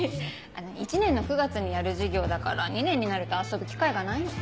１年の９月にやる授業だから２年になると遊ぶ機会がないの。